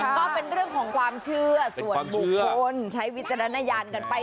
ก็เป็นเรื่องของความเชื่อส่วนบุคคลใช้วิจารณญาณกันไป